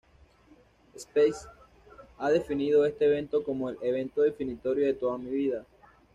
Spacek ha definido este evento como "el evento definitorio de toda mi vida".